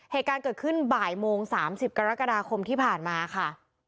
เหตุการณ์เกิดขึ้นบ่ายโมง๓๐กรกฎาคมที่ผ่านมาค่ะ